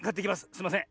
すいません。